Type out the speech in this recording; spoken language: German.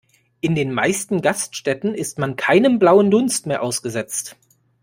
In den meisten Gaststätten ist man keinem blauen Dunst mehr ausgesetzt.